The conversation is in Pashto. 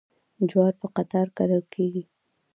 جوار په قطار کرل کیږي.